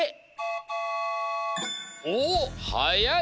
おっはやい！